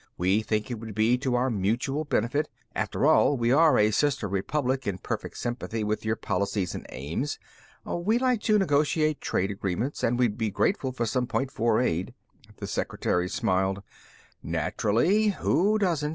We think it would be to our mutual benefit. After all, we are a sister republic in perfect sympathy with your policies and aims. We'd like to negotiate trade agreements and we'd be grateful for some Point Four aid." The secretary smiled. "Naturally. Who doesn't?"